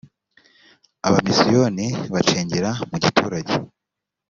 abamisiyoni bacengera mu giturage